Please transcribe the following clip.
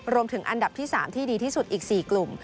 รวมถึงอันดับที่๓ที่ดีที่สุดอีก๔กลุ่ม